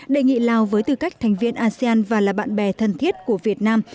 đề nghị lào với tư cách thành viên asean và là bạn bè thân thiết của việt nam